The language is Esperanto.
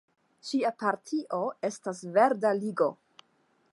Ŝia partio estas Verda Ligo.